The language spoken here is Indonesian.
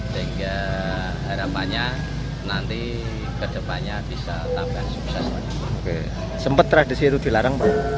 sehingga harapannya nanti kedepannya bisa tambah sukses oke sempat tradisi itu dilarang pak